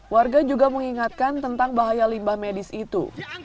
warga juga mengingatkan tentang bahaya limbah medis itu